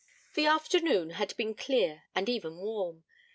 The afternoon had been clear, and even warm.